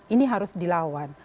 ini harus dilawan